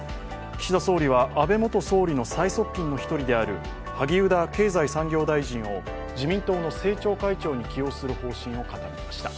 岸田総理は安倍元総理の最側近の１人である萩生田経済産業大臣を自民党の政調会長に起用する方針を固めました。